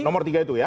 nomor tiga itu ya